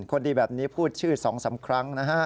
คนดีแบบนี้พูดชื่อ๒๓ครั้งนะฮะ